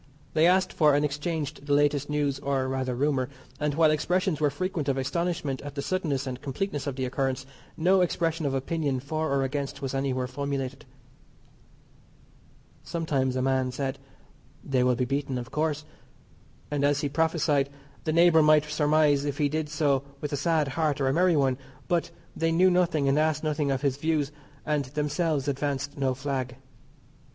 They asked for and exchanged the latest news, or, rather, rumour, and while expressions were frequent of astonishment at the suddenness and completeness of the occurrence, no expression of opinion for or against was anywhere formulated. Sometimes a man said, "They will be beaten of course," and, as he prophesied, the neighbour might surmise if he did so with a sad heart or a merry one, but they knew nothing and asked nothing of his views, and themselves advanced no flag.